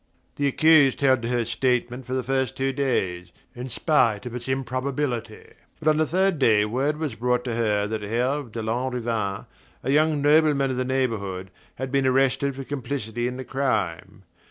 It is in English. The accused held to her statement for the first two days, in spite of its improbability; but on the third day word was brought to her that Herve de Lanrivain, a young nobleman of the neighbourhood, had been arrested for complicity in the crime.